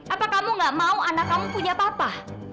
apa kamu gak mau anak kamu punya papa